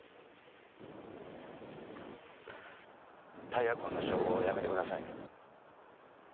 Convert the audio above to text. タイヤ痕の照合をやめてください。